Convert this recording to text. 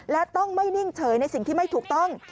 และต้องไม่นิ่งเฉยในสิ่งที่ไม่ถูกต้อง